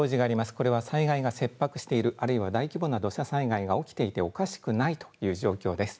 これは災害が切迫している、あるいは大規模な土砂災害が起きていておかしくないという状況です。